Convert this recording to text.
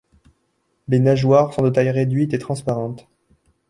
Les nageoires sont de tailles réduites et transparentes.